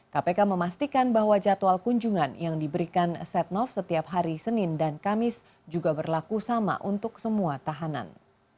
kpk memastikan bahwa jadwal kunjungan yang diberikan setnov setiap hari senin dan kamis juga berlaku sama untuk semua tahanan